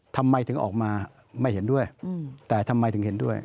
ทำไมถึงออกมาไม่เห็นด้วยแต่ทำไมถึงเห็นด้วย